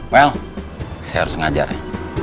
well saya harus ngajar ya